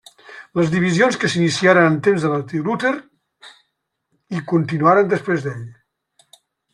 Les divisions que s'iniciaren en temps de Martí Luter i continuaren després d'ell.